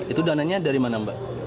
itu dananya dari mana mbak